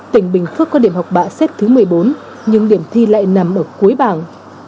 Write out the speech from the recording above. tỉnh bình phước có điểm học bạ xếp thứ một mươi bốn nhưng điểm thi lại nằm ở cuối bảng